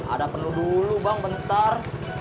ada penuh dulu bang bentar